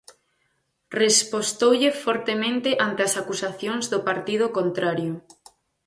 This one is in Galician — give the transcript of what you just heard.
Respostoulle fortemente ante as acusacións do partido contrario